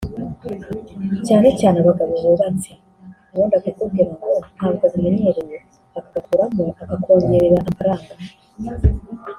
cyane cyane abagabo bubatse ubundi akakubwira ngo ntabwo abimenyereye akagakuramo akakongerera amafaranga